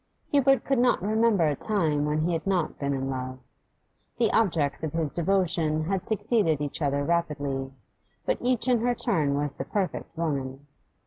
Hubert could not remember a time when he had not been in love. The objects of his devotion had succeeded each other rapidly, but each in her turn was the perfect woman.